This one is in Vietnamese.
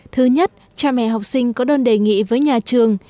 thứ nhất cha mẹ học sinh có đơn đề nghị với nhà trường